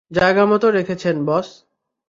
জায়গামতো রেখেছেন, বস।